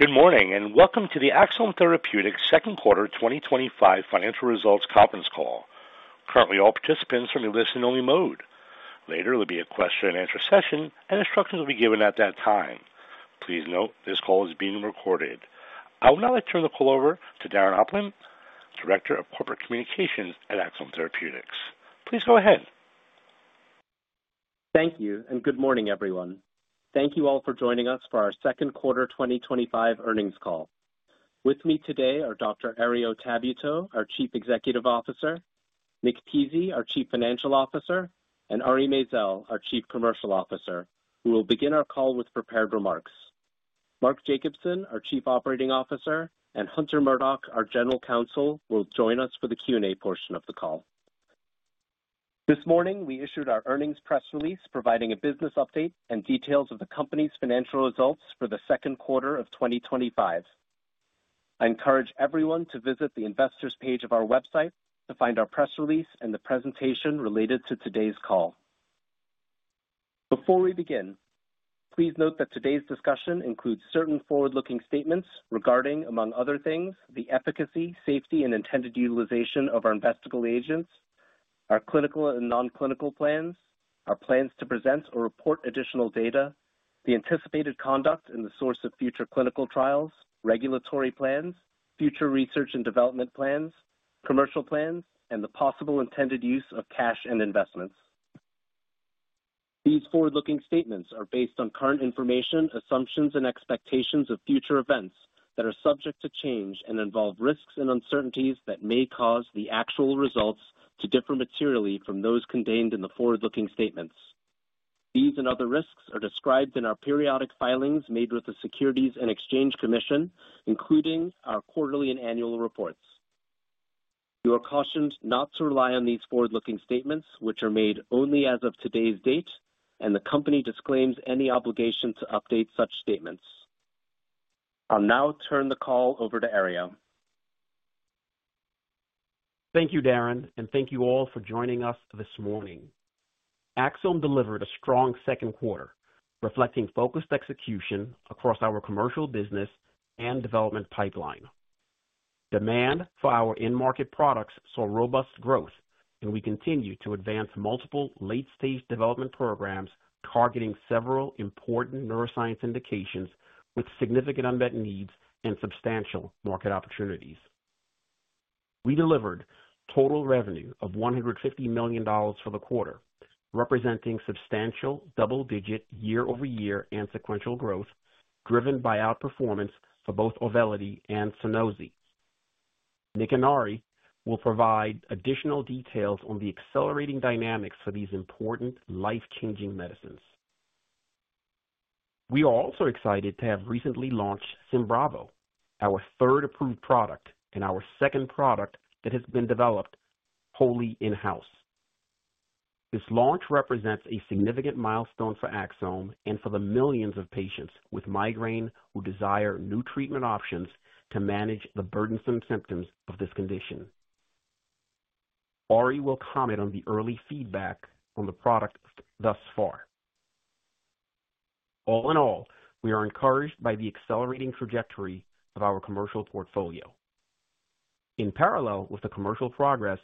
Good morning and welcome to the Axsome Therapeutics Second Quarter 2025 Financial Results Conference Call. Currently, all participants are in a listen-only mode. Later will be a question-and-answer session, and instructions will be given at that time. Please note this call is being recorded. I will now turn the call over to Darren Opland, Director of Corporate Communications at Axsome Therapeutics. Please go ahead. Thank you and good morning, everyone. Thank you all for joining us for our Second Quarter 2025 Earnings Call. With me today are Dr. Herriot Tabuteau, our Chief Executive Officer, Nick Pizzie, our Chief Financial Officer, and Ari Maizel, our Chief Commercial Officer, who will begin our call with prepared remarks. Mark Jacobson, our Chief Operating Officer, and Hunter Murdock, our General Counsel, will join us for the Q&A portion of the call. This morning, we issued our earnings press release providing a business update and details of the company's financial results for the second quarter of 2025. I encourage everyone to visit the investors' page of our website to find our press release and the presentation related to today's call. Before we begin, please note that today's discussion includes certain forward-looking statements regarding, among other things, the efficacy, safety, and intended utilization of our investigational agents, our clinical and non-clinical plans, our plans to present or report additional data, the anticipated conduct and the source of future clinical trials, regulatory plans, future research and development plans, commercial plans, and the possible intended use of cash and investments. These forward-looking statements are based on current information, assumptions, and expectations of future events that are subject to change and involve risks and uncertainties that may cause the actual results to differ materially from those contained in the forward-looking statements. These and other risks are described in our periodic filings made with the Securities and Exchange Commission, including our quarterly and annual reports. You are cautioned not to rely on these forward-looking statements, which are made only as of today's date, and the company disclaims any obligation to update such statements. I'll now turn the call over to Herriot. Thank you, Darren, and thank you all for joining us this morning. Axsome Therapeutics delivered a strong second quarter, reflecting focused execution across our commercial business and development pipeline. Demand for our in-market products saw robust growth, and we continue to advance multiple late-stage development programs targeting several important neuroscience indications with significant unmet needs and substantial market opportunities. We delivered total revenue of $150 million for the quarter, representing substantial double-digit year-over-year and sequential growth driven by outperformance for both Auvelity and Sunosi. Nick and Ari will provide additional details on the accelerating dynamics for these important life-changing medicines. We are also excited to have recently launched Symbravo, our third approved product and our second product that has been developed wholly in-house. This launch represents a significant milestone for Axsome Therapeutics and for the millions of patients with migraine who desire new treatment options to manage the burdensome symptoms of this condition. Ari will comment on the early feedback on the product thus far. All in all, we are encouraged by the accelerating trajectory of our commercial portfolio. In parallel with the commercial progress,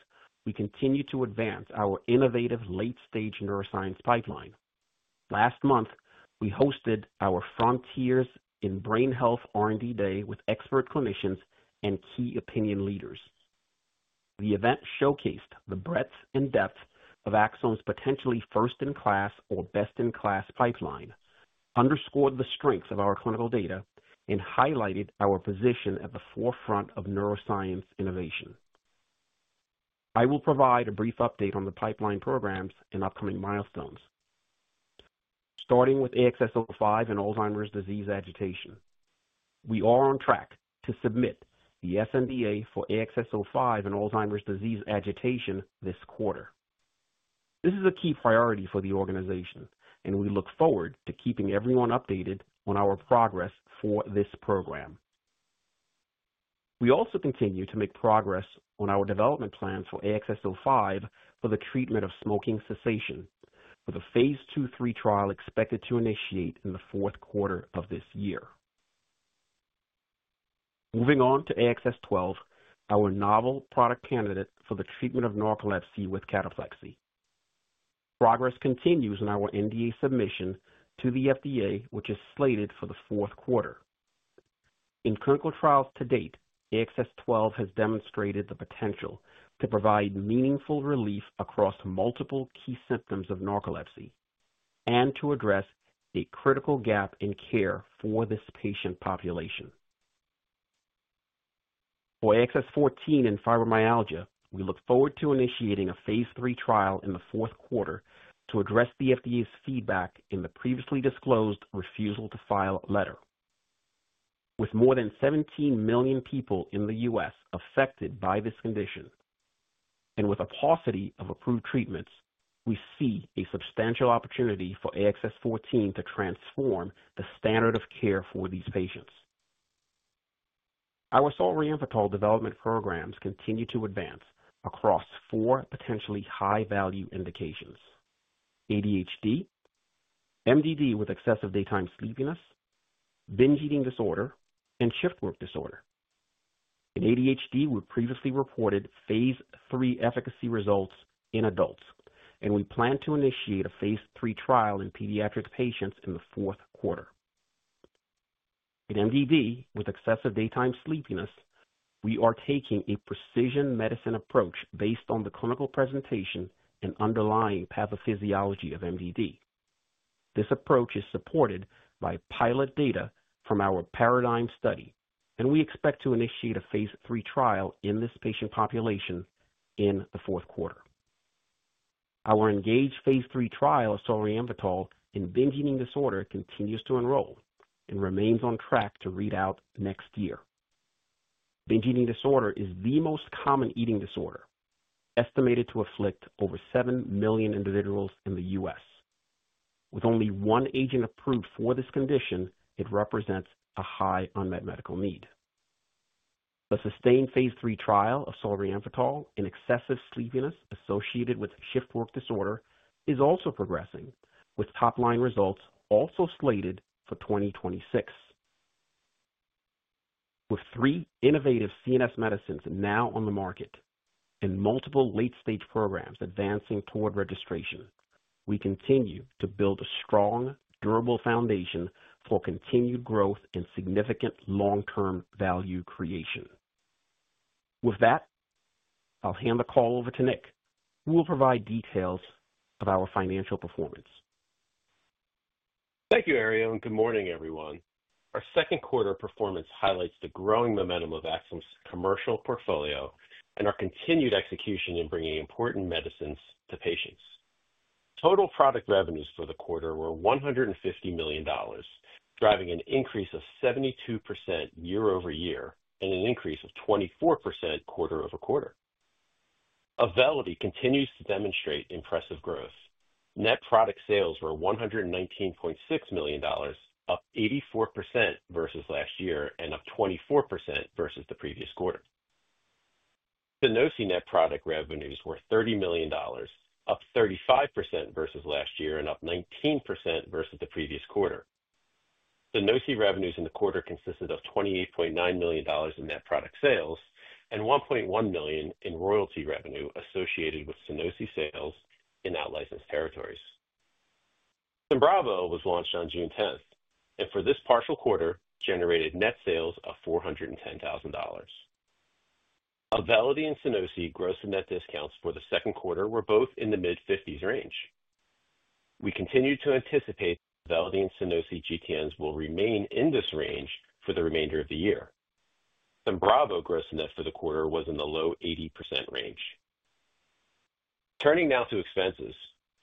we continue to advance our innovative late-stage neuroscience pipeline. Last month, we hosted our Frontiers in Brain Health R&D Day with expert clinicians and key opinion leaders. The event showcased the breadth and depth of Axsome Therapeutics' potentially first-in-class or best-in-class pipeline, underscored the strengths of our clinical data, and highlighted our position at the forefront of neuroscience innovation. I will provide a brief update on the pipeline programs and upcoming milestones. Starting with AXS-05 and Alzheimer's disease agitation, we are on track to submit the NDA for AXS-05 in Alzheimer's disease agitation this quarter. This is a key priority for the organization, and we look forward to keeping everyone updated on our progress for this program. We also continue to make progress on our development plans for AXS-05 for the treatment of smoking cessation for the phase II/III trial expected to initiate in the fourth quarter of this year. Moving on to AXS-12, our novel product candidate for the treatment of narcolepsy with cataplexy. Progress continues in our NDA submission to the FDA, which is slated for the fourth quarter. In clinical trials to date, AXS-12 has demonstrated the potential to provide meaningful relief across multiple key symptoms of narcolepsy and to address a critical gap in care for this patient population. For AXS-14 and fibromyalgia, we look forward to initiating a phase III trial in the fourth quarter to address the FDA's feedback in the previously disclosed refusal to file letter. With more than 17 million people in the U.S. affected by this condition and with a paucity of approved treatments, we see a substantial opportunity for AXS-14 to transform the standard of care for these patients. Our solriamfetol development programs continue to advance across four potentially high-value indications: ADHD, MDD with excessive daytime sleepiness, binge eating disorder, and shift work disorder. In ADHD, we previously reported phase III efficacy results in adults, and we plan to initiate a phase III trial in pediatric patients in the fourth quarter. In MDD with excessive daytime sleepiness, we are taking a precision medicine approach based on the clinical presentation and underlying pathophysiology of MDD. This approach is supported by pilot data from our PARADIGM study, and we expect to initiate a phase III trial in this patient population in the fourth quarter. Our engaged phase III trial of solriamfetol in binge eating disorder continues to enroll and remains on track to read out next year. Binge eating disorder is the most common eating disorder, estimated to afflict over 7 million individuals in the U.S. With only one agent approved for this condition, it represents a high unmet medical need. The sustained phase III trial of solriamfetol in excessive sleepiness associated with shift work disorder is also progressing, with top-line results also slated for 2026. With three innovative CNS medicines now on the market and multiple late-stage programs advancing toward registration, we continue to build a strong, durable foundation for continued growth and significant long-term value creation. With that, I'll hand the call over to Nick, who will provide details of our financial performance. Thank you, Ari, and good morning, everyone. Our second quarter performance highlights the growing momentum of Axsome Therapeutics' commercial portfolio and our continued execution in bringing important medicines to patients. Total product revenues for the quarter were $150 million, driving an increase of 72% year-over-year and an increase of 24% quarter-over-quarter. Auvelity continues to demonstrate impressive growth. Net product sales were $119.6 million, up 84% versus last year and up 24% versus the previous quarter. Sunosi net product revenues were $30 million, up 35% versus last year and up 19% versus the previous quarter. Sunosi revenues in the quarter consisted of $28.9 million in net product sales and $1.1 million in royalty revenue associated with Sunosi sales in out-licensed territories. Symbravo was launched on June 10th and for this partial quarter generated net sales of $410,000. Auvelity and Sunosi gross-to-net discounts for the second quarter were both in the mid-50% range. We continue to anticipate Auvelity and Sunosi gross-to-net trends will remain in this range for the remainder of the year. Symbravo gross-to-net for the quarter was in the low 80% range. Turning now to expenses,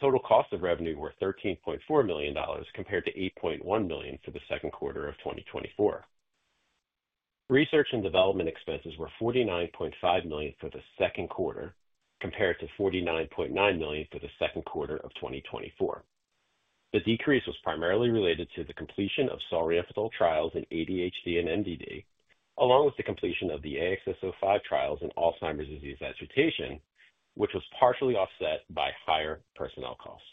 total cost of revenue were $13.4 million compared to $8.1 million for the second quarter of 2024. Research and development expenses were $49.5 million for the second quarter compared to $49.9 million for the second quarter of 2024. The decrease was primarily related to the completion of solriamfetol trials in ADHD and MDD, along with the completion of the AXS-05 trials in Alzheimer's disease agitation, which was partially offset by higher personnel costs.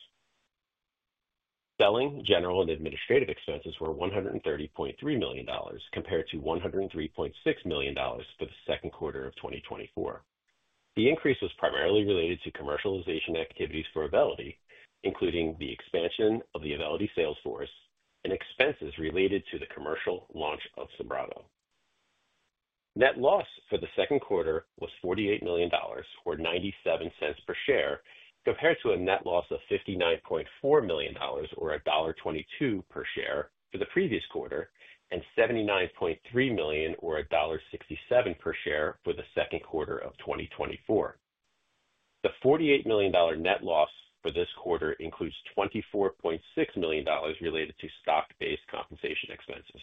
Selling, general, and administrative expenses were $130.3 million compared to $103.6 million for the second quarter of 2024. The increase was primarily related to commercialization activities for Auvelity, including the expansion of the Auvelity sales force and expenses related to the commercial launch of Symbravo. Net loss for the second quarter was $48 million, or $0.97 per share, compared to a net loss of $59.4 million, or $1.22 per share for the previous quarter, and $79.3 million, or $1.67 per share for the second quarter of 2024. The $48 million net loss for this quarter includes $24.6 million related to stock-based compensation expenses.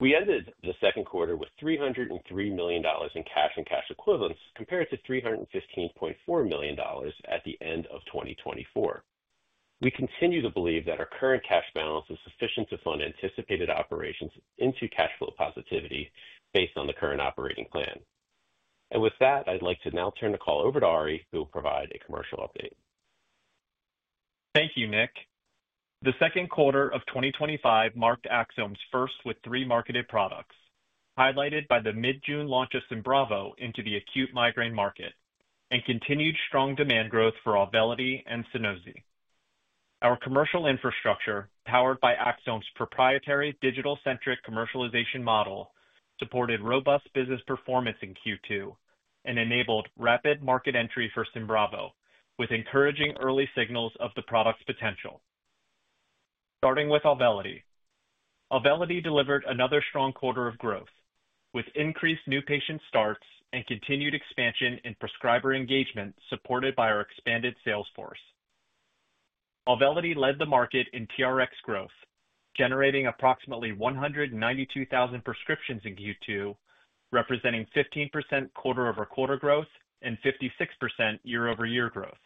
We ended the second quarter with $303 million in cash and cash equivalents compared to $315.4 million at the end of 2024. We continue to believe that our current cash balance is sufficient to fund anticipated operations into cash flow positivity based on the current operating plan. With that, I'd like to now turn the call over to Ari, who will provide a commercial update. Thank you, Nick. The second quarter of 2025 marked Axsome Therapeutics' first with three marketed products, highlighted by the mid-June launch of Symbravo into the acute migraine market and continued strong demand growth for Auvelity and Sunosi. Our commercial infrastructure, powered by Axsome Therapeutics' proprietary digital-centric commercialization model, supported robust business performance in Q2 and enabled rapid market entry for Symbravo, with encouraging early signals of the product's potential. Starting with Auvelity, Auvelity delivered another strong quarter of growth, with increased new patient starts and continued expansion in prescriber engagement supported by our expanded sales force. Auvelity led the market in TRX growth, generating approximately 192,000 prescriptions in Q2, representing 15% quarter-over-quarter growth and 56% year-over-year growth.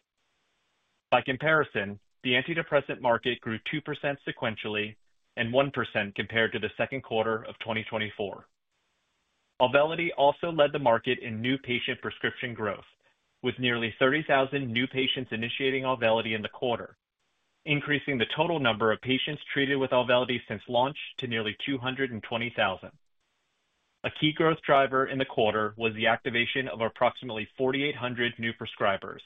By comparison, the antidepressant market grew 2% sequentially and 1% compared to the second quarter of 2024. Auvelity also led the market in new patient prescription growth, with nearly 30,000 new patients initiating Auvelity in the quarter, increasing the total number of patients treated with Auvelity since launch to nearly 220,000. A key growth driver in the quarter was the activation of approximately 4,800 new prescribers,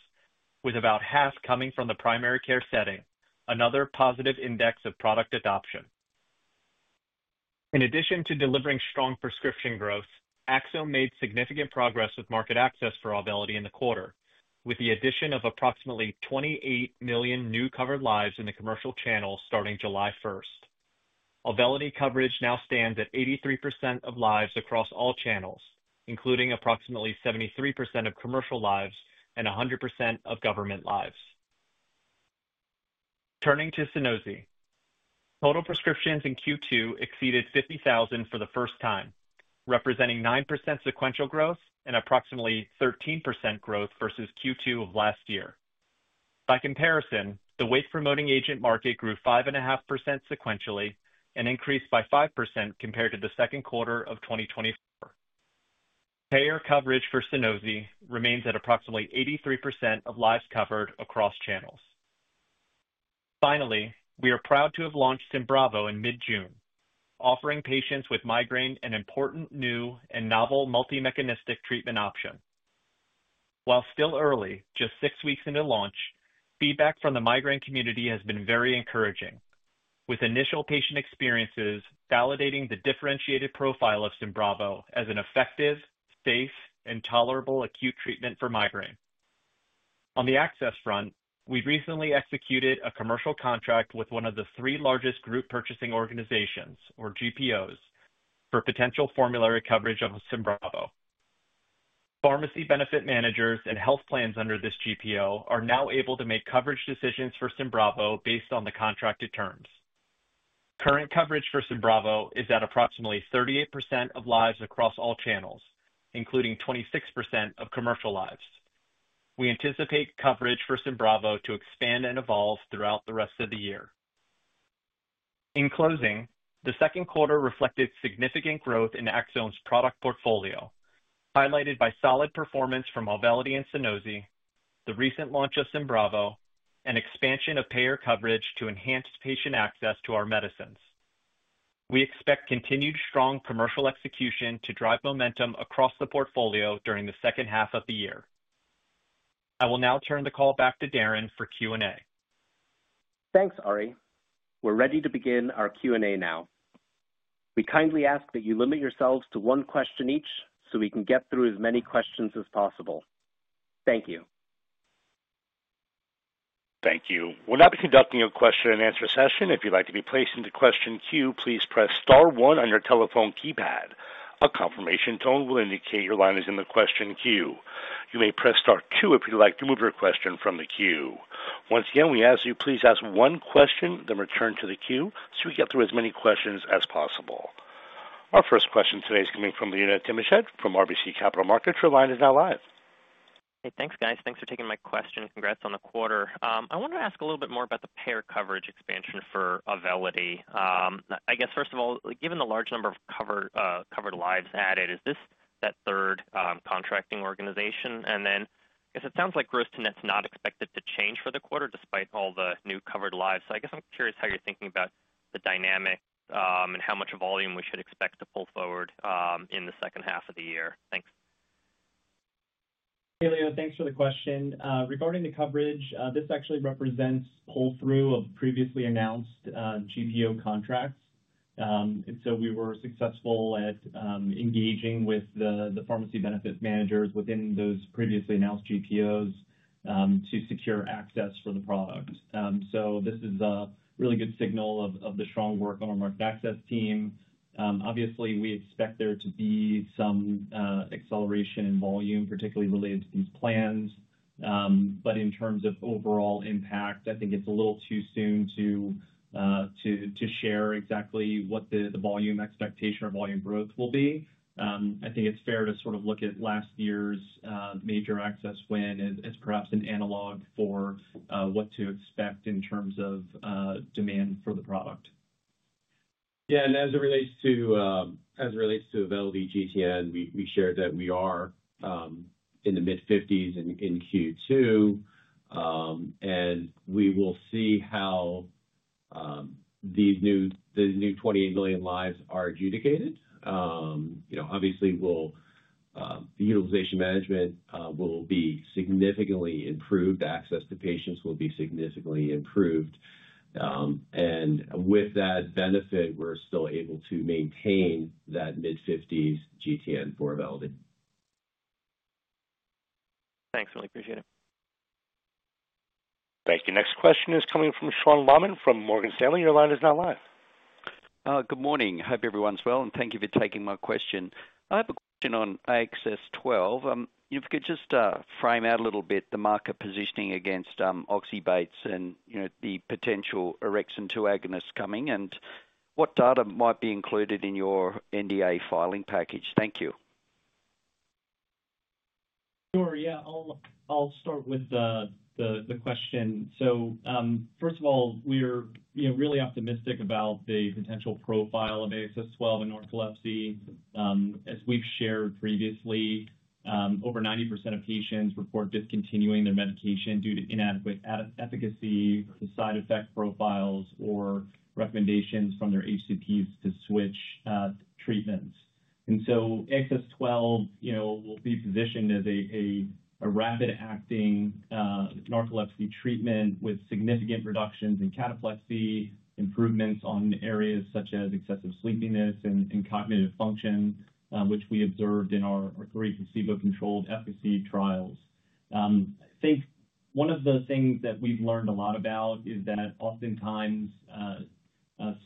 with about half coming from the primary care setting, another positive index of product adoption. In addition to delivering strong prescription growth, Axsome Therapeutics made significant progress with market access for Auvelity in the quarter, with the addition of approximately 28 million new covered lives in the commercial channels starting July 1st. Auvelity coverage now stands at 83% of lives across all channels, including approximately 73% of commercial lives and 100% of government lives. Turning to Sunosi, total prescriptions in Q2 exceeded 50,000 for the first time, representing 9% sequential growth and approximately 13% growth versus Q2 of last year. By comparison, the wake-promoting agent market grew 5.5% sequentially and increased by 5% compared to the second quarter of 2024. Payer coverage for Sunosi remains at approximately 83% of lives covered across channels. Finally, we are proud to have launched Symbravo in mid-June, offering patients with migraine an important new and novel multi-mechanistic treatment option. While still early, just six weeks into launch, feedback from the migraine community has been very encouraging, with initial patient experiences validating the differentiated profile of Symbravo as an effective, safe, and tolerable acute treatment for migraine. On the access front, we recently executed a commercial contract with one of the three largest group purchasing organizations, or GPOs, for potential formulary coverage of Symbravo. Pharmacy benefit managers and health plans under this GPO are now able to make coverage decisions for Symbravo based on the contracted terms. Current coverage for Symbravo is at approximately 38% of lives across all channels, including 26% of commercial lives. We anticipate coverage for Symbravo to expand and evolve throughout the rest of the year. In closing, the second quarter reflected significant growth in Axsome Therapeutics' product portfolio, highlighted by solid performance from Auvelity and Sunosi, the recent launch of Symbravo, and expansion of payer coverage to enhance patient access to our medicines. We expect continued strong commercial execution to drive momentum across the portfolio during the second half of the year. I will now turn the call back to Darren for Q&A. Thanks, Ari. We're ready to begin our Q&A now. We kindly ask that you limit yourselves to one question each so we can get through as many questions as possible. Thank you. Thank you. We'll now be conducting a question-and-answer session. If you'd like to be placed into the question queue, please press star one on your telephone keypad. A confirmation tone will indicate your line is in the question queue. You may press star two if you'd like to remove your question from the queue. Once again, we ask that you please ask one question, then return to the queue so we get through as many questions as possible. Our first question today is coming from Leonid Timashev from RBC Capital Markets. Your line is now live. Hey, thanks, guys. Thanks for taking my question. Congrats on the quarter. I wanted to ask a little bit more about the payer coverage expansion for Auvelity. I guess, first of all, given the large number of covered lives added, is this that third contracting organization? I guess it sounds like gross-to-net is not expected to change for the quarter despite all the new covered lives. I'm curious how you're thinking about the dynamics and how much volume we should expect to pull forward in the second half of the year. Thanks. Hey, Leo, thanks for the question. Regarding the coverage, this actually represents pull-through of previously announced GPO contracts. We were successful at engaging with the pharmacy benefits managers within those previously announced GPOs to secure access for the product. This is a really good signal of the strong work on our market access team. Obviously, we expect there to be some acceleration in volume, particularly related to these plans. In terms of overall impact, I think it's a little too soon to share exactly what the volume expectation or volume growth will be. I think it's fair to sort of look at last year's major access win as perhaps an analog for what to expect in terms of demand for the product. Yeah, as it relates to Auvelity GTN, we shared that we are in the mid-50s in Q2. We will see how these new $28 million lives are adjudicated. Utilization management will be significantly improved. The access to patients will be significantly improved. With that benefit, we're still able to maintain that mid-50s GTN for Auvelity. Thanks, really appreciate it. Thank you. Next question is coming from Sean Laaman from Morgan Stanley. Your line is now live. Good morning. Hope everyone's well, and thank you for taking my question. I have a question on AXS-12. If you could just frame out a little bit the market positioning against Oxybate and the potential Orexin II agonists coming, and what data might be included in your NDA filing package? Thank you. Sure, yeah. I'll start with the question. First of all, we're really optimistic about the potential profile of AXS-12 in narcolepsy. As we've shared previously, over 90% of patients report discontinuing their medication due to inadequate efficacy or side effect profiles or recommendations from their HCPs to switch treatments. AXS-12 will be positioned as a rapid-acting narcolepsy treatment with significant reductions in cataplexy, improvements on areas such as excessive daytime sleepiness and cognitive function, which we observed in our three placebo-controlled efficacy trials. I think one of the things that we've learned a lot about is that oftentimes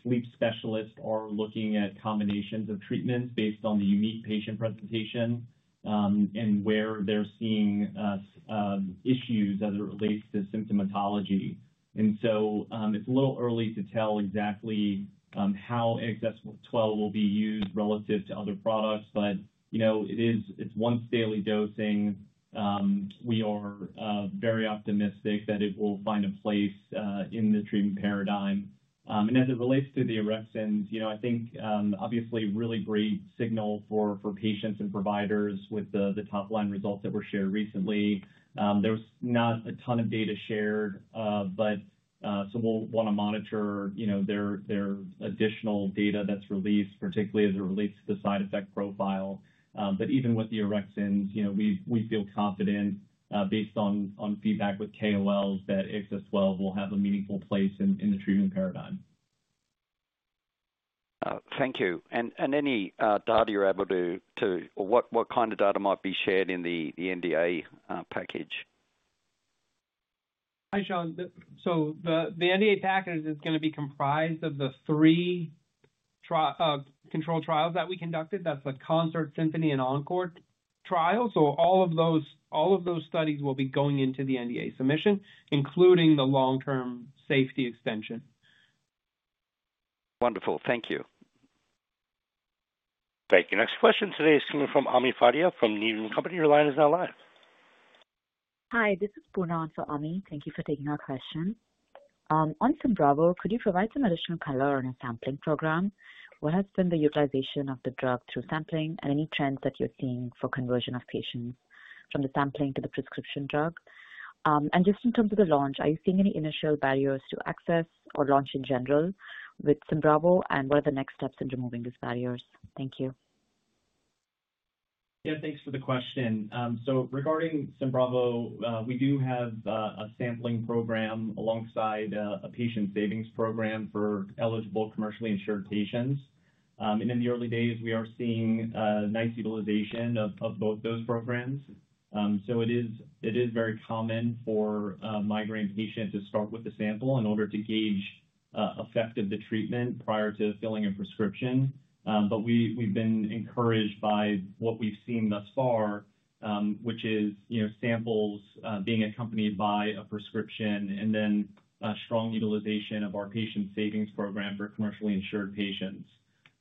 sleep specialists are looking at combinations of treatments based on the unique patient presentation and where they're seeing issues as it relates to symptomatology. It's a little early to tell exactly how AXS-12 will be used relative to other products, but you know it's once-daily dosing. We are very optimistic that it will find a place in the treatment paradigm. As it relates to the Orexin, I think obviously a really great signal for patients and providers with the top-line results that were shared recently. There's not a ton of data shared, so we'll want to monitor their additional data that's released, particularly as it relates to the side effect profile. Even with the Orexin, we feel confident based on feedback with KOLs that AXS-12 will have a meaningful place in the treatment paradigm. Thank you. Any data you're able to, or what kind of data might be shared in the NDA package? Hi, Sean. The NDA package is going to be comprised of the three controlled trials that we conducted. That's the Concert, SYMPHONY, and ENCORE trials. All of those studies will be going into the NDA submission, including the long-term safety extension. Wonderful. Thank you. Thank you. Next question today is coming from Ami Fadia from Needham & Company. Your line is now live. Hi, this is Poona on for Ami. Thank you for taking our question. On Symbravo, could you provide some additional color on a sampling program? What has been the utilization of the drug through sampling, and any trends that you're seeing for conversion of patients from the sampling to the prescription drug? In terms of the launch, are you seeing any initial barriers to access or launch in general with Symbravo, and what are the next steps in removing these barriers? Thank you. Yeah, thanks for the question. Regarding Symbravo, we do have a sampling program alongside a patient savings program for eligible commercially insured patients. In the early days, we are seeing nice utilization of both those programs. It is very common for migraine patients to start with the sample in order to gauge effect of the treatment prior to filling a prescription. We've been encouraged by what we've seen thus far, which is samples being accompanied by a prescription and then strong utilization of our patient savings program for commercially insured patients.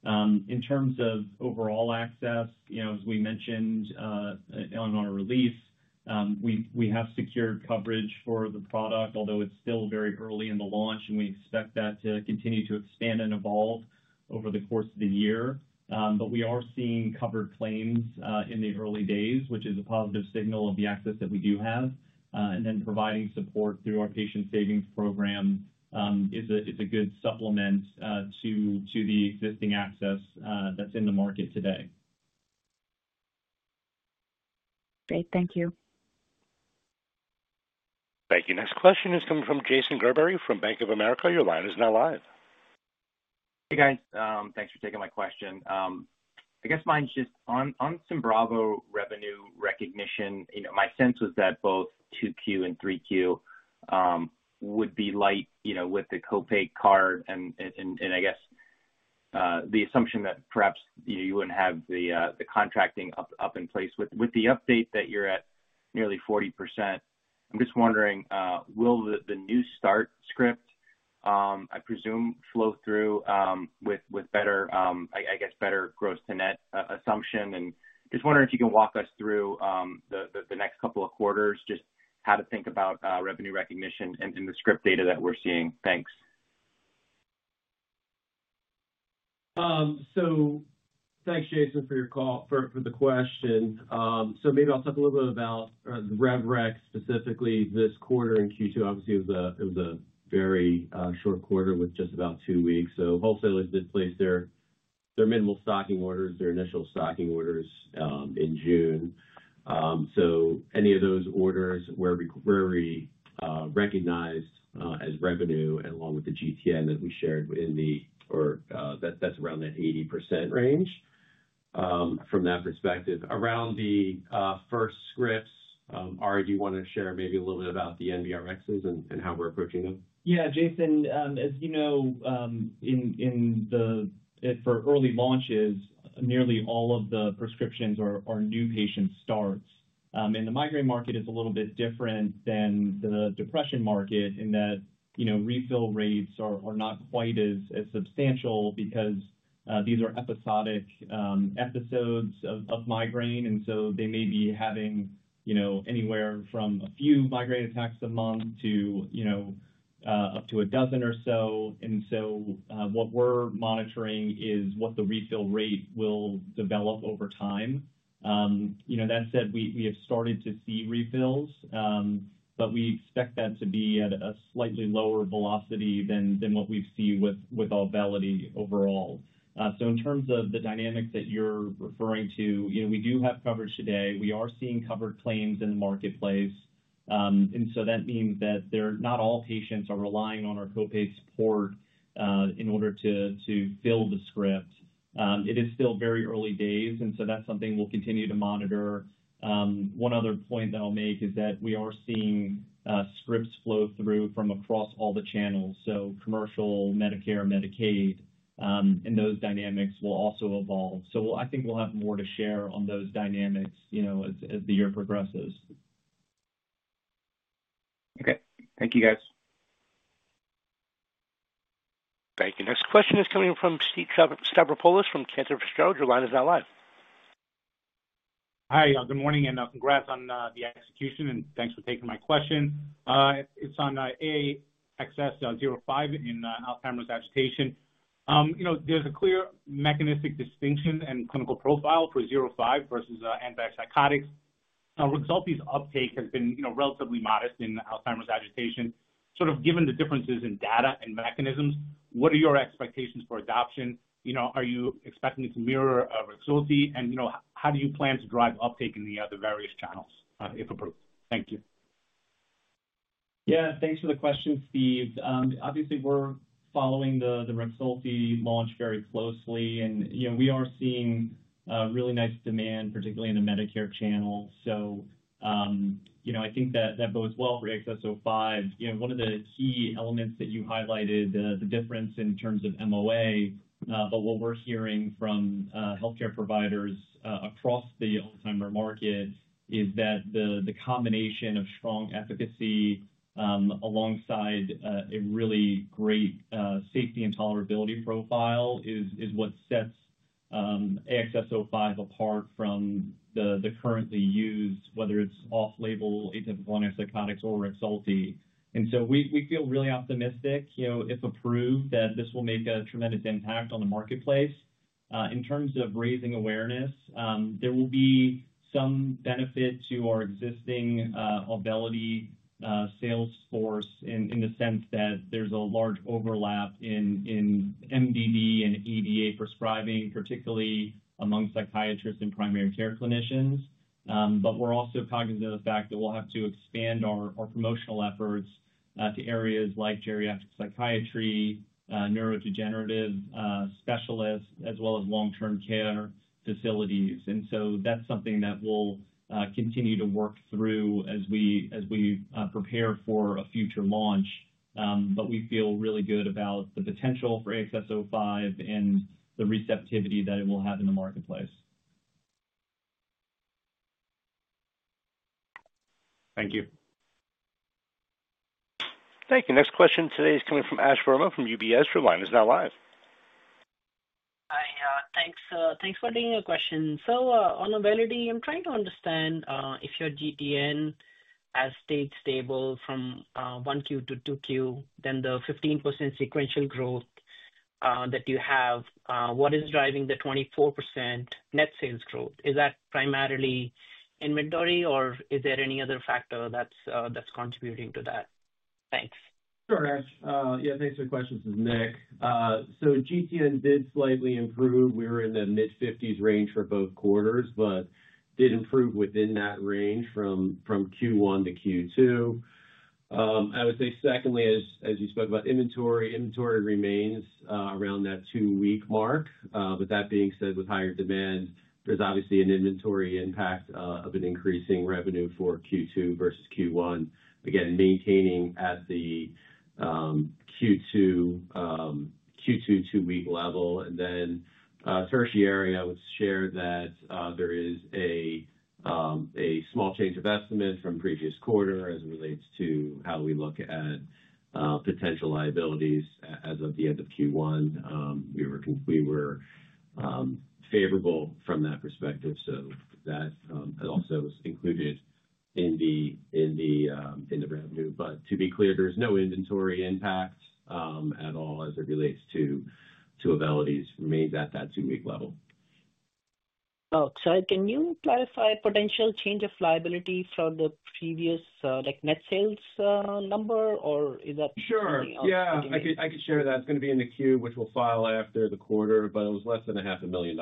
In terms of overall access, as we mentioned on our release, we have secured coverage for the product, although it's still very early in the launch, and we expect that to continue to expand and evolve over the course of the year. We are seeing covered claims in the early days, which is a positive signal of the access that we do have. Providing support through our patient savings program is a good supplement to the existing access that's in the market today. Great. Thank you. Thank you. Next question is coming from Jason Gerberry from Bank of America. Your line is now live. Hey, guys. Thanks for taking my question. I guess mine's just on Symbravo revenue recognition. My sense was that both 2Q and 3Q would be light with the copay card and the assumption that perhaps you wouldn't have the contracting up in place. With the update that you're at nearly 40%, I'm just wondering, will the new start script, I presume, flow through with better, better gross-to-net assumption? I'm just wondering if you can walk us through the next couple of quarters, just how to think about revenue recognition and the script data that we're seeing. Thanks. Thanks, Jason, for the question. Maybe I'll talk a little bit about rev rec specifically this quarter in Q2. Obviously, it was a very short quarter with just about two weeks. Wholesalers did place their minimal stocking orders, their initial stocking orders in June. Any of those orders were recognized as revenue along with the GTN that we shared within the, or that's around that 80% range. From that perspective, around the first scripts, Ari, do you want to share maybe a little bit about the NBRx and how we're approaching them? Yeah, Jason, as you know, for early launches, nearly all of the prescriptions are new patient starts. In the migraine market, it's a little bit different than the depression market in that refill rates are not quite as substantial because these are episodic episodes of migraine. They may be having anywhere from a few migraine attacks a month to up to a dozen or so. What we're monitoring is what the refill rate will develop over time. That said, we have started to see refills, but we expect that to be at a slightly lower velocity than what we've seen with Auvelity overall. In terms of the dynamics that you're referring to, we do have coverage today. We are seeing covered claims in the marketplace, and that means that not all patients are relying on our copay support in order to fill the script. It is still very early days, and that's something we'll continue to monitor. One other point that I'll make is that we are seeing scripts flow through from across all the channels: commercial, Medicare, Medicaid, and those dynamics will also evolve. I think we'll have more to share on those dynamics as the year progresses. Okay. Thank you, guys. Thank you. Next question is coming from Pete Stavropoulos from Cantor Fitzgerald. Your line is now live. Hi, good morning, and congrats on the execution, and thanks for taking my question. It's on AXS-05 in Alzheimer's agitation. You know, there's a clear mechanistic distinction and clinical profile for 05 versus antipsychotics. Rexulti's uptake has been relatively modest in Alzheimer's agitation. Given the differences in data and mechanisms, what are your expectations for adoption? Are you expecting it to mirror Rexulti, and how do you plan to drive uptake in the other various channels, if approved? Thank you. Yeah, thanks for the question, Pete. Obviously, we're following the Rexulti launch very closely, and we are seeing really nice demand, particularly in the Medicare channel. I think that that bodes well for AXS-05. One of the key elements that you highlighted, the difference in terms of MOA, but what we're hearing from healthcare providers across the Alzheimer market is that the combination of strong efficacy alongside a really great safety and tolerability profile is what sets AXS-05 apart from the currently used, whether it's off-label atypical antipsychotics or Rexulti. We feel really optimistic, if approved, that this will make a tremendous impact on the marketplace. In terms of raising awareness, there will be some benefit to our existing Auvelity sales force in the sense that there's a large overlap in MDD and EDS prescribing, particularly among psychiatrists and primary care clinicians. We're also cognizant of the fact that we'll have to expand our promotional efforts to areas like geriatric psychiatry, neurodegenerative specialists, as well as long-term care facilities. That's something that we'll continue to work through as we prepare for a future launch. We feel really good about the potential for AXS-05 and the receptivity that it will have in the marketplace. Thank you. Thank you. Next question today is coming from Ash Verma from UBS. Your line is now live. Hi, thanks for taking your question. On Auvelity, I'm trying to understand if your GTN has stayed stable from 1Q to 2Q, then the 15% sequential growth that you have, what is driving the 24% net sales growth? Is that primarily in MDD, or is there any other factor that's contributing to that? Thanks. Sure. Yeah, thanks for the question, it's Nick. So GTN did slightly improve. We were in the mid-50% range for both quarters, but did improve within that range from Q1 to Q2. I would say secondly, as you spoke about inventory, inventory remains around that two-week mark. That being said, with higher demand, there's obviously an inventory impact of an increasing revenue for Q2 versus Q1, again maintaining at the Q2 two-week level. Tertiary, I would share that there is a small change of estimate from previous quarter as it relates to how we look at potential liabilities as of the end of Q1. We were favorable from that perspective. That also is included in the revenue. To be clear, there's no inventory impact at all as it relates to Auvelity, remains at that two-week level. Oh, sorry. Can you clarify potential change of liability for the previous net sales number, or is that something else? Sure. Yeah, I could share that. It's going to be in the queue, which we will file after the quarter, but it was less than $0.5 million.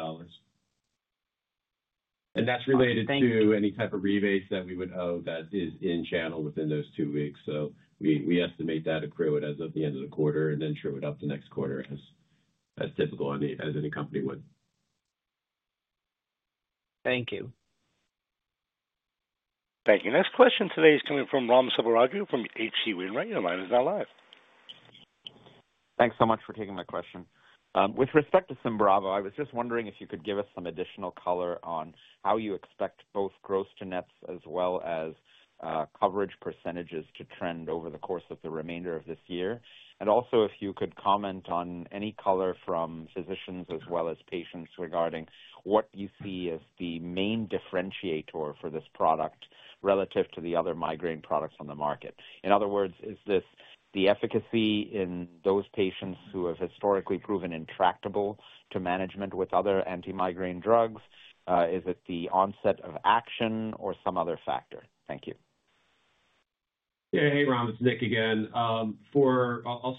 That's related to any type of rebates that we would owe that is in channel within those two weeks. We estimate that accrued as of the end of the quarter and then true it up the next quarter as typical as any company would. Thank you. Thank you. Next question today is coming from Ram Selvaraju from H.C. Wainwright. Your line is now live. Thanks so much for taking my question. With respect to Symbravo, I was just wondering if you could give us some additional color on how you expect both gross-to-net trends as well as coverage percentages to trend over the course of the remainder of this year. If you could comment on any color from physicians as well as patients regarding what you see as the main differentiator for this product relative to the other migraine products on the market. In other words, is this the efficacy in those patients who have historically proven intractable to management with other anti-migraine drugs? Is it the onset of action or some other factor? Thank you. Yeah, hey, Ram, it's Nick again. I'll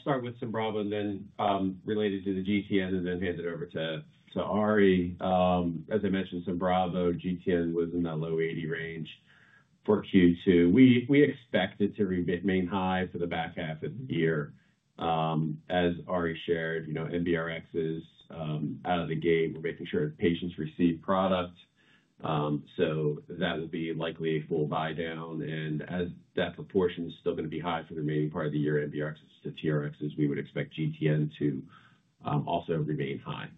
start with Symbravo and then related to the GTN and then hand it over to Ari. As I mentioned, Symbravo GTN was in that low 80% range for Q2. We expect it to remain high for the back half of the year. As Ari shared, you know, NBRx is out of the gate. We're making sure patients receive product. That would be likely a full buy down. As that proportion is still going to be high for the remaining part of the year, NBRx to TRx, we would expect GTN to also remain high.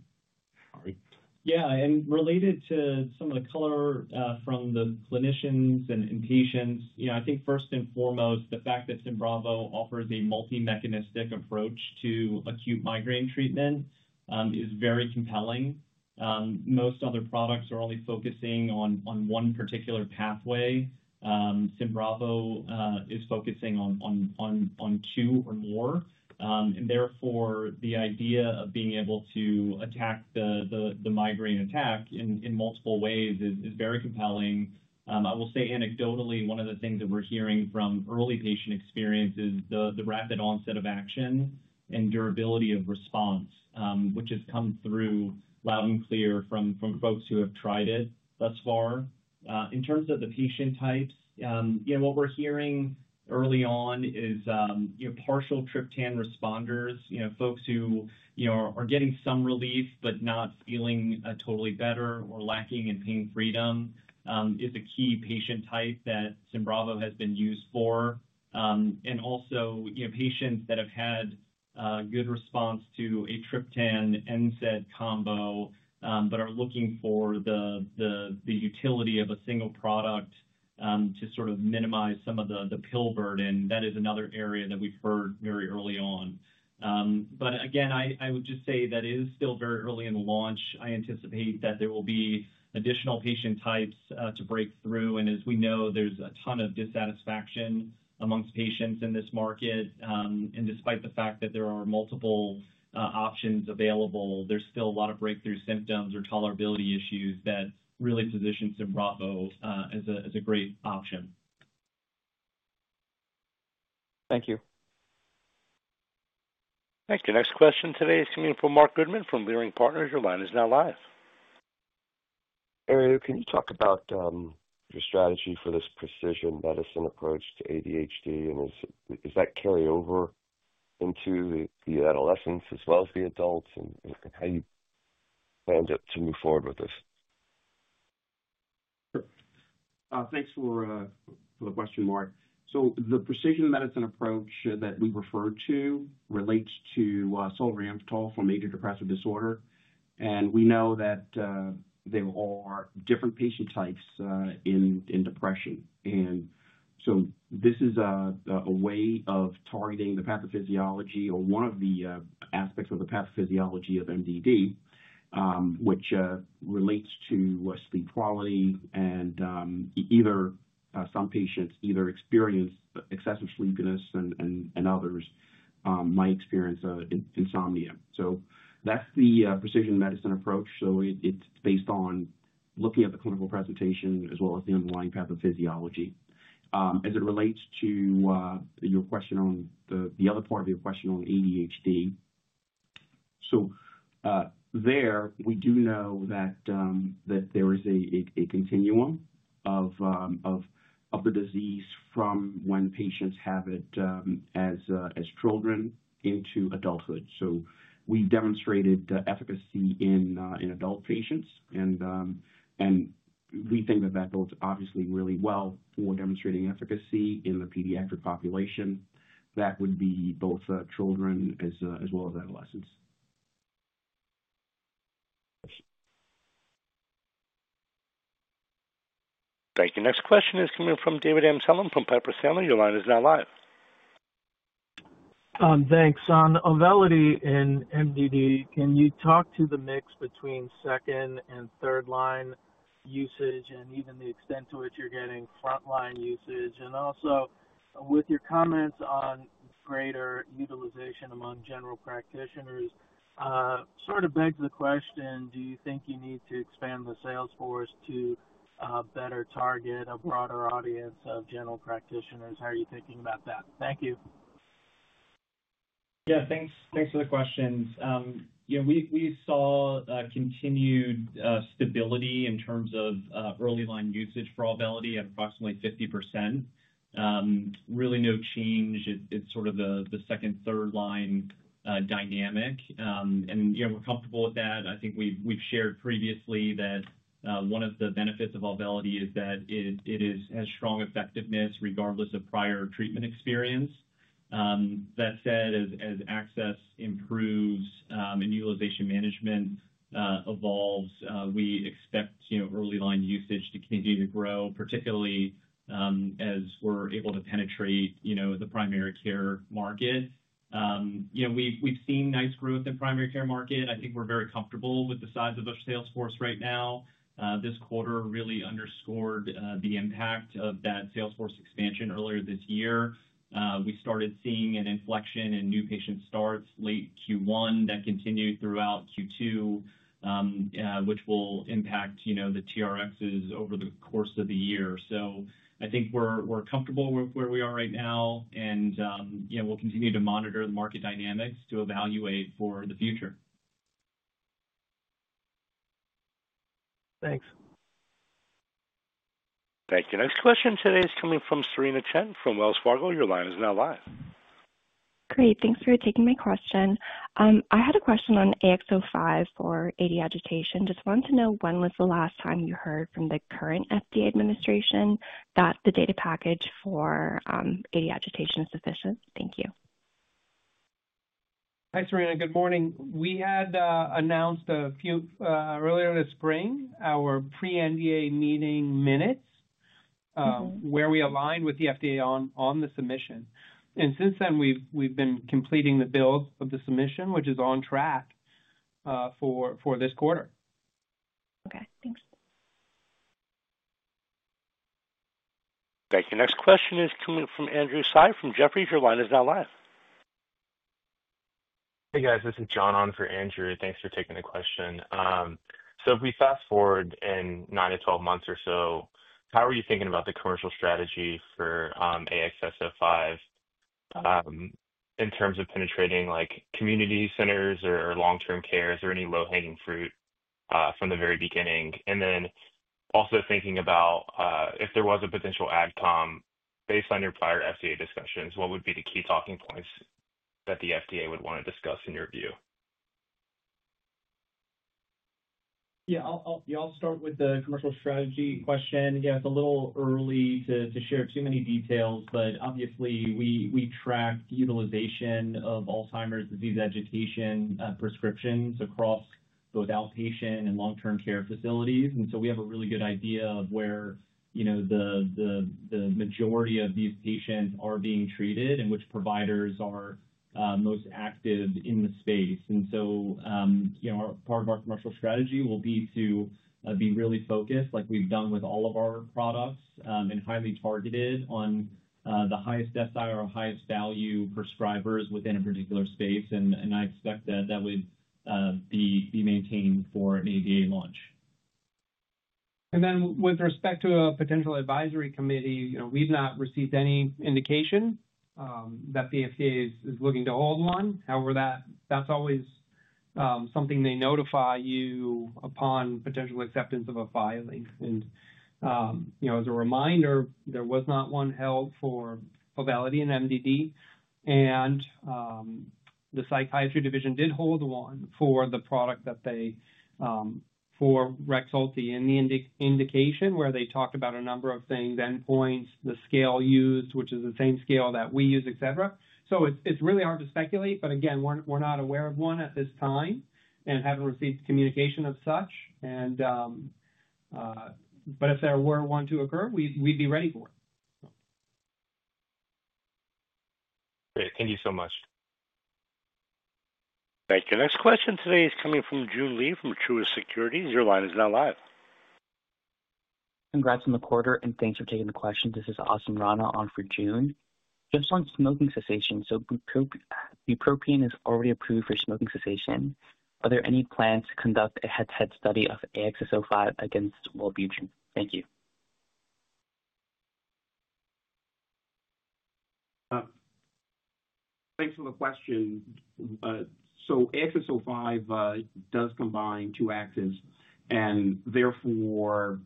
Sorry. Yeah, and related to some of the color from the clinicians and patients, I think first and foremost, the fact that Symbravo offers a multi-mechanistic approach to acute migraine treatment is very compelling. Most other products are only focusing on one particular pathway. Symbravo is focusing on two or more. Therefore, the idea of being able to attack the migraine attack in multiple ways is very compelling. I will say anecdotally, one of the things that we're hearing from early patient experience is the rapid onset of action and durability of response, which has come through loud and clear from folks who have tried it thus far. In terms of the patient types, what we're hearing early on is partial triptan responders, folks who are getting some relief but not feeling totally better or lacking in pain freedom is a key patient type that Symbravo has been used for. Also, patients that have had a good response to a triptan-NSAID combo but are looking for the utility of a single product to sort of minimize some of the pill burden. That is another area that we've heard very early on. I would just say that it is still very early in the launch. I anticipate that there will be additional patient types to break through. As we know, there's a ton of dissatisfaction amongst patients in this market. Despite the fact that there are multiple options available, there's still a lot of breakthrough symptoms or tolerability issues that really position Symbravo as a great option. Thank you. Thank you. Next question today is coming in from Marc Goodman from Leerink Partners. Your line is now live. Ari, can you talk about your strategy for this precision medicine approach to ADHD? Does that carry over into the adolescents as well as the adults? How do you plan to move forward with this? Sure. Thanks for the question, Marc. The precision medicine approach that we refer to relates to solriamfetol for major depressive disorder. We know that there are different patient types in depression, and this is a way of targeting the pathophysiology or one of the aspects of the pathophysiology of MDD, which relates to sleep quality. Some patients experience excessive sleepiness and others might experience insomnia. That's the precision medicine approach. It's based on looking at the clinical presentation as well as the underlying pathophysiology. As it relates to your question on the other part of your question on ADHD, we do know that there is a continuum of the disease from when patients have it as children into adulthood. We demonstrated efficacy in adult patients, and we think that that goes obviously really well for demonstrating efficacy in the pediatric population. That would be both children as well as adolescents. Thank you. Next question is coming from David Amsellem from Piper Sandler. Your line is now live. Thanks. On Auvelity and MDD, can you talk to the mix between second and third-line usage and even the extent to which you're getting flat-line usage? Also, with your comments on greater utilization among general practitioners, it sort of begs the question, do you think you need to expand the sales force to better target a broader audience of general practitioners? How are you thinking about that? Thank you. Yeah, thanks for the questions. Yeah, we saw continued stability in terms of early-line usage for Auvelity at approximately 50%. Really no change. It's sort of the second-third-line dynamic, and we're comfortable with that. I think we've shared previously that one of the benefits of Auvelity is that it has strong effectiveness regardless of prior treatment experience. That said, as access improves and utilization management evolves, we expect early-line usage to continue to grow, particularly as we're able to penetrate the primary care market. Yeah, we've seen nice growth in the primary care market. I think we're very comfortable with the size of our sales force right now. This quarter really underscored the impact of that sales force expansion earlier this year. We started seeing an inflection in new patient starts late Q1 that continued throughout Q2, which will impact the TRXs over the course of the year. I think we're comfortable with where we are right now, and yeah, we'll continue to monitor the market dynamics to evaluate for the future. Thanks. Thank you. Next question today is coming from Cerena Chen from Wells Fargo. Your line is now live. Great. Thanks for taking my question. I had a question on AXS-05 for AD agitation. Just wanted to know when was the last time you heard from the current FDA administration that the data package for AD agitation is sufficient? Thank you. Hi, Cerena. Good morning. We had announced a few earlier this spring, our pre-NDA meeting minutes where we aligned with the FDA on the submission. Since then, we've been completing the build of the submission, which is on track for this quarter. Okay. Thanks. Thank you. Next question is coming from Andrew Tsai from Jefferies. Your line is now live. Hey, guys. This is John on for Andrew. Thanks for taking the question. If we fast forward in 9 to 12 months or so, how are you thinking about the commercial strategy for AXS-05 in terms of penetrating community centers or long-term care? Is there any low-hanging fruit from the very beginning? Also, thinking about if there was a potential ad-com, based on your prior FDA discussions, what would be the key talking points that the FDA would want to discuss in your view? I'll start with the commercial strategy question. It's a little early to share too many details, but obviously, we track the utilization of Alzheimer's disease agitation prescriptions across both outpatient and long-term care facilities. We have a really good idea of where the majority of these patients are being treated and which providers are most active in the space. Part of our commercial strategy will be to be really focused, like we've done with all of our products, and highly targeted on the highest SI or highest value prescribers within a particular space. I expect that that would be maintained for an ADA launch. With respect to a potential advisory committee, we've not received any indication that the FDA is looking to hold one. That's always something they notify you upon potential acceptance of a filing. As a reminder, there was not one held for Auvelity and MDD. The psychiatry division did hold one for the product Rexulti in the indication where they talked about a number of things, endpoints, the scale used, which is the same scale that we use, etc. It's really hard to speculate, but again, we're not aware of one at this time and haven't received communication of such. If there were one to occur, we'd be ready for it. Great. Thank you so much. Thank you. Next question today is coming from Joon Lee from Truist Securities. Your line is now live. Congrats on the quarter, and thanks for taking the question. This is Asim Rana on for Joon. Just on smoking cessation, so bupropion is already approved for smoking cessation. Are there any plans to conduct a head-to-head study of AXS-05 against Wellbutrin? Thank you. Thanks for the question. AXS-05 does combine two axes, and therefore,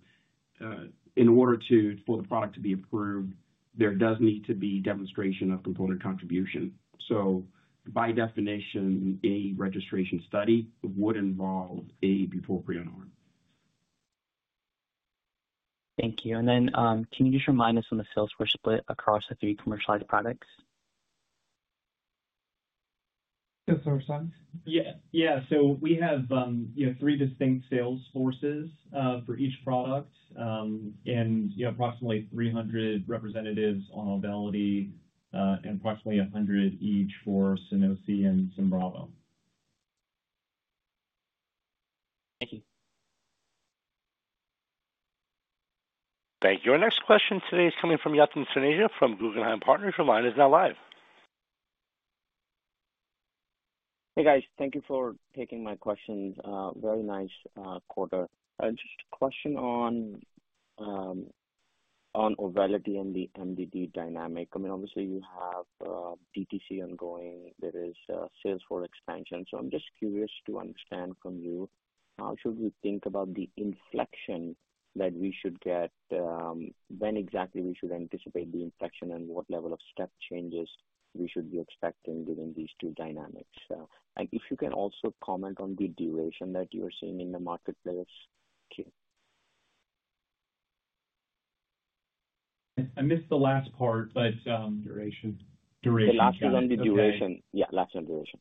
in order for the product to be approved, there does need to be demonstration of component contribution. By definition, a registration study would involve a bupropion arm. Thank you. Can you just remind us when the sales force split across the three commercialized products? We have three distinct sales forces for each product. You have approximately 300 representatives on Auvelity and approximately 100 each for Sunosi and Symbravo. Thank you. Our next question today is coming from Yatin Suneja from Guggenheim Partners. Your line is now live. Hey, guys. Thank you for taking my questions. Very nice quarter. Just a question on Auvelity and the MDD dynamic. I mean, obviously, you have DTC ongoing. There is a sales force expansion. I'm just curious to understand from you, how should we think about the inflection that we should get, when exactly we should anticipate the inflection, and what level of step changes we should be expecting given these two dynamics? If you can also comment on the duration that you're seeing in the marketplace. I missed the last part. Duration. The last is on the duration. Yeah, last year duration.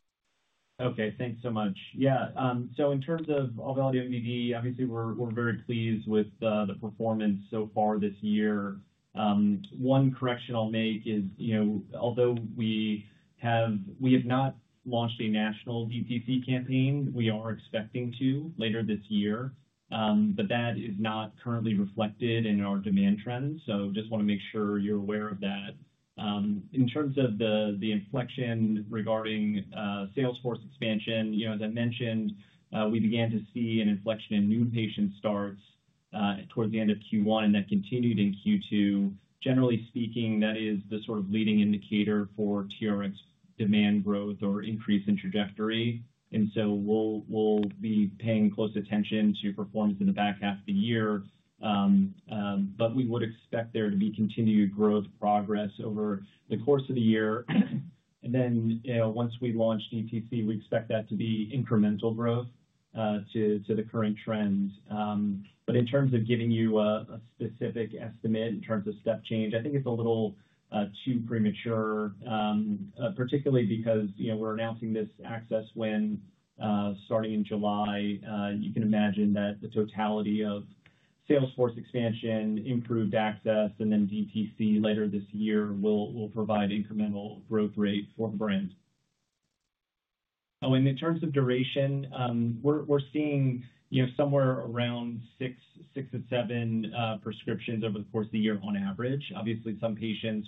Okay. Thanks so much. Yeah. So in terms of Auvelity and MDD, obviously, we're very pleased with the performance so far this year. One correction I'll make is, you know, although we have not launched a national DTC campaign, we are expecting to later this year. That is not currently reflected in our demand trends. I just want to make sure you're aware of that. In terms of the inflection regarding sales force expansion, as I mentioned, we began to see an inflection in new patient starts towards the end of Q1 and that continued in Q2. Generally speaking, that is the sort of leading indicator for TRx demand growth or increase in trajectory. We'll be paying close attention to performance in the back half of the year. We would expect there to be continued growth progress over the course of the year. Once we launch DTC, we expect that to be incremental growth to the current trends. In terms of giving you a specific estimate in terms of step change, I think it's a little too premature, particularly because we're announcing this access when starting in July. You can imagine that the totality of sales force expansion, improved access, and then DTC later this year will provide incremental growth rate for the brand. Oh, and in terms of duration, we're seeing somewhere around six, six, and seven prescriptions over the course of the year on average. Obviously, some patients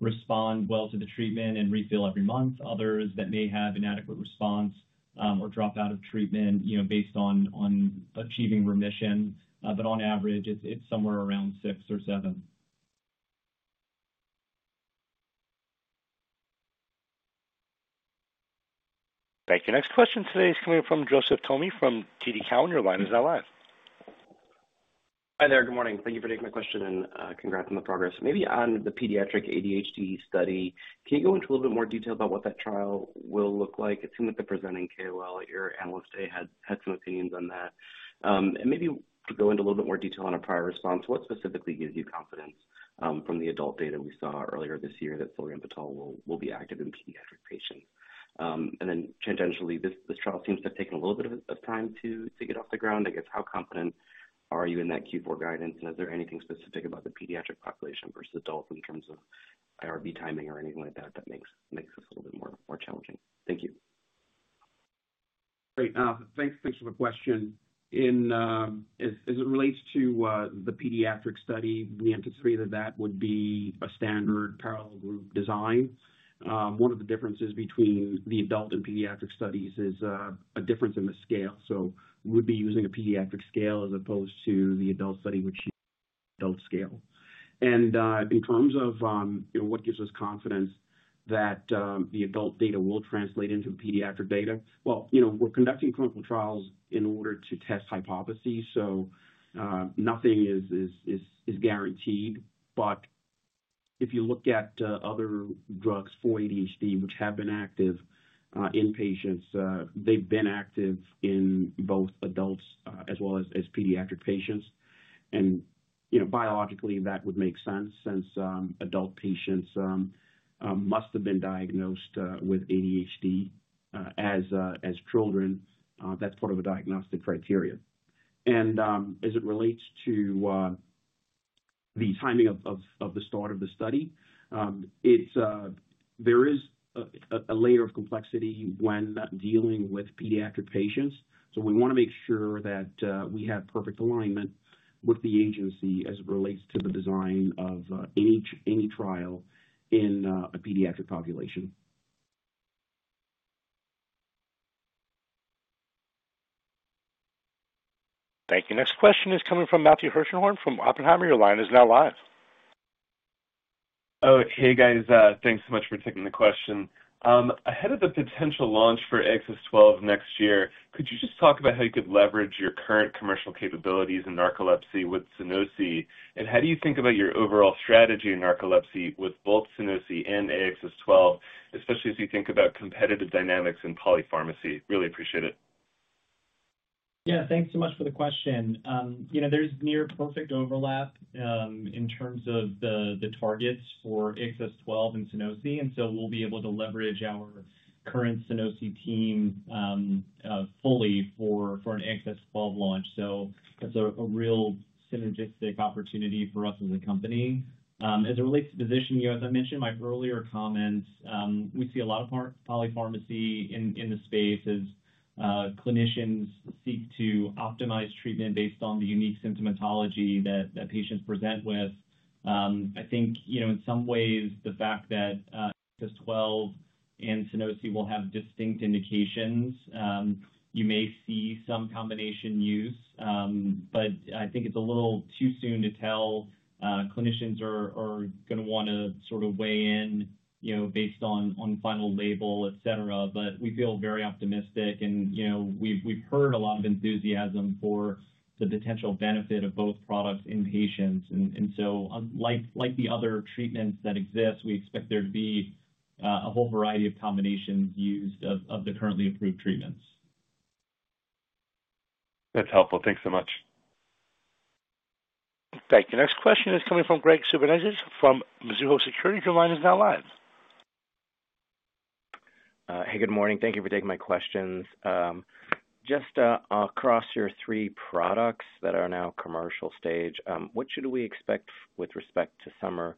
respond well to the treatment and refill every month. Others that may have inadequate response or drop out of treatment based on achieving remission. On average, it's somewhere around six or seven. Thank you. Next question today is coming from Joseph Thome from TD Cowen. Your line is now live. Hi there. Good morning. Thank you for taking my question and congrats on the progress. Maybe on the pediatric ADHD study, can you go into a little bit more detail about what that trial will look like? It seemed like the presenting KOL at your analyst day had some opinions on that. Maybe go into a little bit more detail on a prior response. What specifically gives you confidence from the adult data we saw earlier this year that Sylvia Patel will be active in pediatric patients? Tangentially, this trial seems to have taken a little bit of time to get off the ground. I guess, how confident are you in that Q4 guidance? Is there anything specific about the pediatric population versus adults in terms of IRB timing or anything like that that makes this a little bit more challenging? Thank you. Great. Thanks for the question. As it relates to the pediatric study, we anticipated that would be a standard parallel group design. One of the differences between the adult and pediatric studies is a difference in the scale. We'd be using a pediatric scale as opposed to the adult study, which is an adult scale. In terms of what gives us confidence that the adult data will translate into the pediatric data, we're conducting clinical trials in order to test hypotheses. Nothing is guaranteed. If you look at other drugs for ADHD, which have been active in patients, they've been active in both adults as well as pediatric patients. Biologically, that would make sense since adult patients must have been diagnosed with ADHD as children. That's part of a diagnostic criteria. As it relates to the timing of the start of the study, there is a layer of complexity when dealing with pediatric patients. We want to make sure that we have perfect alignment with the agency as it relates to the design of any trial in a pediatric population. Thank you. Next question is coming from Matthew Hershenhorn from Oppenheimer. Your line is now live. Oh, hey, guys. Thanks so much for taking the question. Ahead of the potential launch for AXS-12 next year, could you just talk about how you could leverage your current commercial capabilities in narcolepsy with Sunosi? How do you think about your overall strategy in narcolepsy with both Sunosi and AXS-12, especially as you think about competitive dynamics and polypharmacy? Really appreciate it. Yeah, thanks so much for the question. You know, there's near perfect overlap in terms of the targets for AXS-12 and Sunosi, and we'll be able to leverage our current Sunosi team fully for an AXS-12 launch. That's a real synergistic opportunity for us as a company. As it relates to positioning, as I mentioned in my earlier comments, we see a lot of polypharmacy in the space as clinicians seek to optimize treatment based on the unique symptomatology that patients present with. I think, in some ways, the fact that AXS-12 and Sunosi will have distinct indications, you may see some combination use. I think it's a little too soon to tell. Clinicians are going to want to sort of weigh in based on final label, etc. We feel very optimistic, and we've heard a lot of enthusiasm for the potential benefit of both products in patients. Like the other treatments that exist, we expect there to be a whole variety of combinations used of the currently approved treatments. That's helpful. Thanks so much. Thank you. Next question is coming from Graig Suvannavejh from Mizuho Securities. Your line is now live. Hey, good morning. Thank you for taking my questions. Just across your three products that are now commercial stage, what should we expect with respect to summer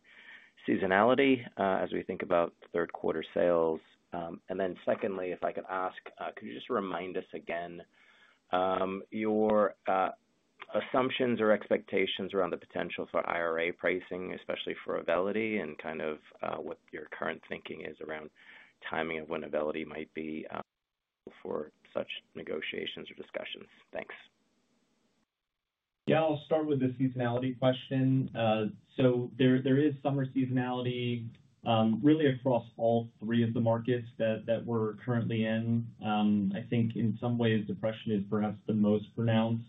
seasonality as we think about third-quarter sales? Secondly, if I could ask, could you just remind us again your assumptions or expectations around the potential for IRA pricing, especially for Auvelity, and kind of what your current thinking is around timing of when Auvelity might be for such negotiations or discussions? Thanks. I'll start with the seasonality question. There is summer seasonality really across all three of the markets that we're currently in. I think in some ways, depression is perhaps the most pronounced.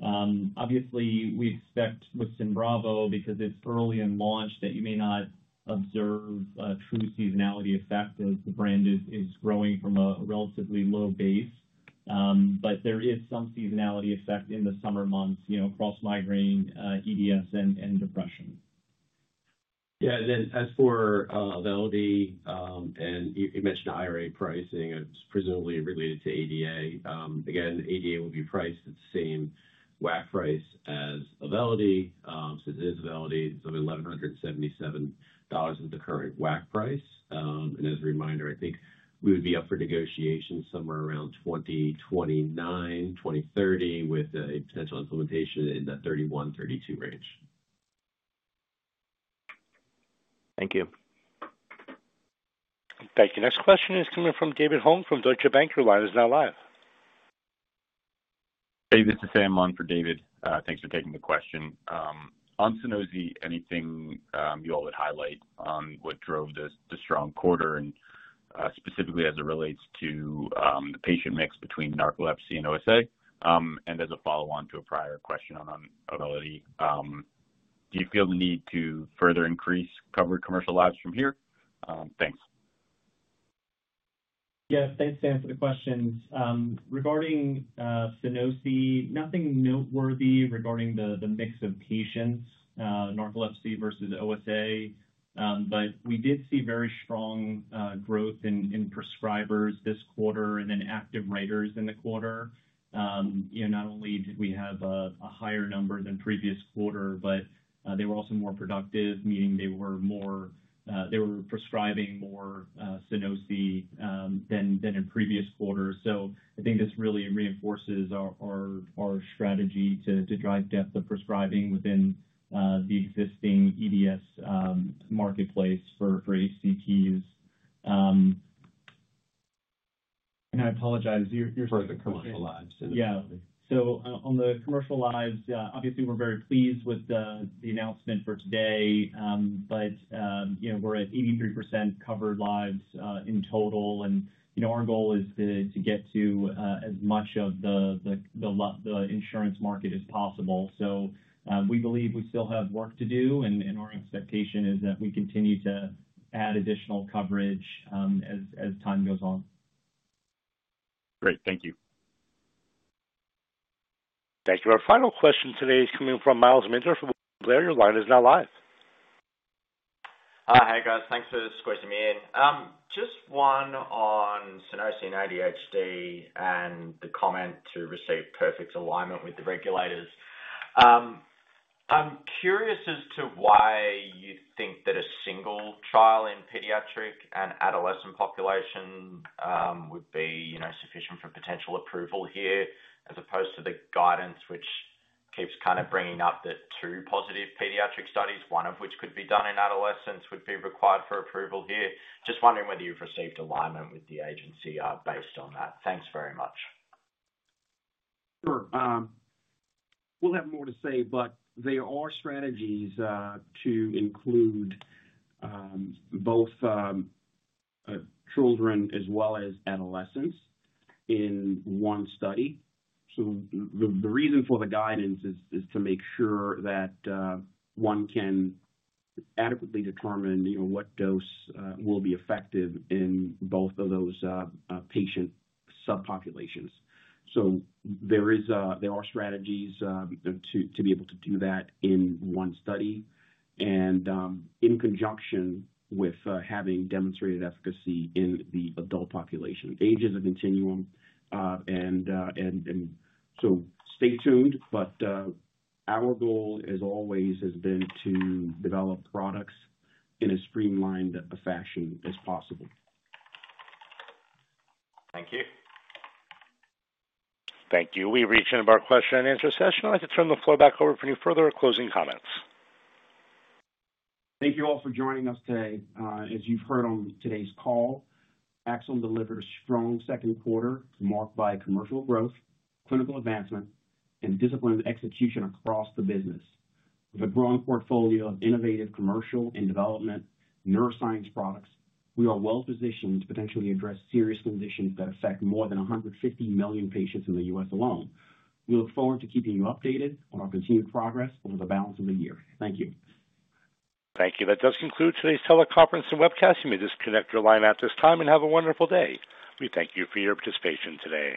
Obviously, we expect with Symbravo, because it's early in launch, that you may not observe a true seasonality effect. The brand is growing from a relatively low base. There is some seasonality effect in the summer months across migraine, EDS, and depression. Yeah, and then as for Auvelity, and you mentioned IRA pricing, it's presumably related to ADA. Again, ADA will be priced at the same WAC price as Auvelity. So it is Auvelity. It's only $1,177 at the current WAC price. As a reminder, I think we would be up for negotiation somewhere around 2029, 2030, with a potential implementation in the 2031, 2032 range. Thank you. Thank you. Next question is coming from David Holm from Deutsche Bank. Your line is now live. Hey, this is Sam on for David. Thanks for taking the question. On Sunosi, anything you all would highlight on what drove this strong quarter? Specifically, as it relates to the patient mix between narcolepsy and OSA, as a follow-on to a prior question on Auvelity, do you feel the need to further increase covered commercial lives from here? Thanks. Yeah, thanks, Sam, for the questions. Regarding Sunosi, nothing noteworthy regarding the mix of patients, narcolepsy versus OSA. We did see very strong growth in prescribers this quarter and active writers in the quarter. Not only did we have a higher number than previous quarter, but they were also more productive, meaning they were prescribing more Sunosi than in previous quarters. I think this really reinforces our strategy to drive depth of prescribing within the existing EDS marketplace for HCPs. I apologize. For the commercial lives. Yeah. On the commercial lives, obviously, we're very pleased with the announcement for today. You know, we're at 83% covered lives in total, and our goal is to get to as much of the insurance market as possible. We believe we still have work to do, and our expectation is that we continue to add additional coverage as time goes on. Great. Thank you. Thank you. Our final question today is coming from Myles Minter from William Blair. Your line is now live. Hi, guys. Thanks for squeezing me in. Just one on Sunosi and ADHD and the comment to receive perfect alignment with the regulators. I'm curious as to why you think that a single trial in pediatric and adolescent population would be sufficient for potential approval here, as opposed to the guidance which keeps kind of bringing up that two positive pediatric studies, one of which could be done in adolescents, would be required for approval here. Just wondering whether you've received alignment with the agency based on that. Thanks very much. Sure. We will have more to say, but there are strategies to include both children as well as adolescents in one study. The reason for the guidance is to make sure that one can adequately determine what dose will be effective in both of those patient subpopulations. There are strategies to be able to do that in one study in conjunction with having demonstrated efficacy in the adult population. Age is a continuum. Stay tuned. Our goal, as always, has been to develop products in as streamlined a fashion as possible. Thank you. Thank you. We reached the end of our question and answer session. I'd like to turn the floor back over for any further closing comments. Thank you all for joining us today. As you've heard on today's call, Axsome Therapeutics delivered a strong second quarter marked by commercial growth, clinical advancement, and disciplined execution across the business. With a growing portfolio of innovative commercial and development neuroscience products, we are well-positioned to potentially address serious conditions that affect more than 150 million patients in the U.S. alone. We look forward to keeping you updated on our continued progress over the balance of the year. Thank you. Thank you. That does conclude today's teleconference and webcast. You may disconnect your line at this time and have a wonderful day. We thank you for your participation today.